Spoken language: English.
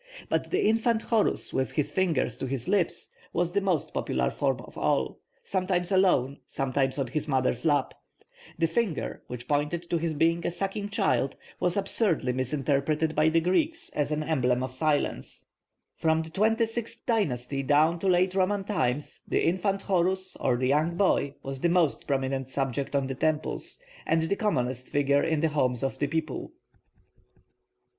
But the infant Horus with his finger to his lips was the most popular form of all, sometimes alone, sometimes on his mother's lap. The finger, which pointed to his being a sucking child, was absurdly misunderstood by the Greeks as an emblem of silence. From the twenty sixth dynasty down to late Roman times the infant Horus, or the young boy, was the most prominent subject on the temples, and the commonest figure in the homes of the people.